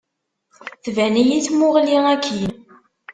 Tban-iyi tmuɣli akkin.